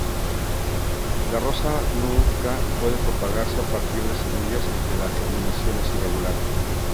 La rosa Nootka puede propagarse a partir de semillas, aunque la germinación es irregular.